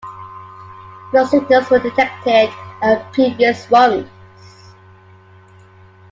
No signals were detected on previous runs.